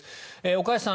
岡安さん